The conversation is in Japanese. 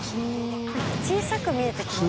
小さく見えてきますね。